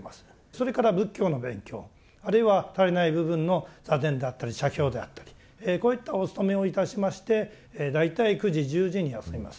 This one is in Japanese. それから仏教の勉強あるいは足りない部分の座禅であったり写経であったりこういったお勤めをいたしまして大体９時１０時に休みます。